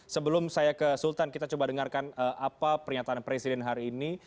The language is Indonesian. sebelum saya ke sultan kita coba dengarkan apa pernyataan presiden hari ini